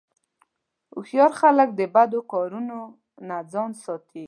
هوښیار خلک د بدو کارونو نه ځان ساتي.